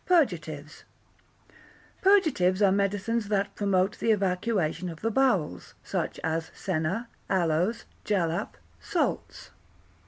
Purgatives Purgatives are medicines that promote the evacuation of the bowels, such as senna, aloes, jalap, salts.